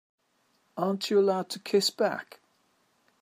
Aren't you allowed to kiss back?